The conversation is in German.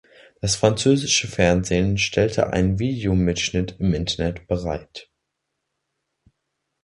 Das französische Fernsehen stellte einen Videomitschnitt im Internet bereit.